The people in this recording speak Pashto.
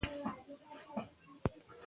زده کړه نجونو ته د کثافاتو مدیریت ور زده کوي.